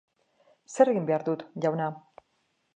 Zer egin behar dut, jauna?